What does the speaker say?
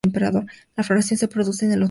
La floración se produce en el otoño.